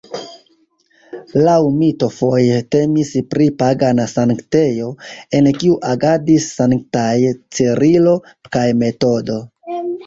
Laŭ mito foje temis pri pagana sanktejo, en kiu agadis sanktaj Cirilo kaj Metodo.